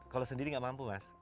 kalau sendiri nggak mampu mas